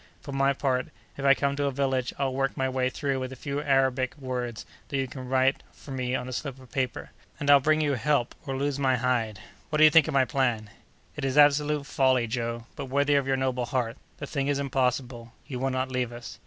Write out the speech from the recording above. For my part, if I come to a village, I'll work my way through with a few Arabic words that you can write for me on a slip of paper, and I'll bring you help or lose my hide. What do you think of my plan?" "It is absolute folly, Joe, but worthy of your noble heart. The thing is impossible. You will not leave us."